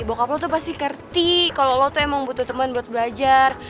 bapak lo tuh pasti ngerti kalau lo tuh emang butuh teman buat belajar